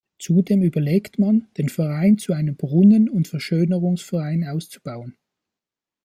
Zudem überlegt man, den Verein zu einem Brunnen- und Verschönerungsverein auszubauen.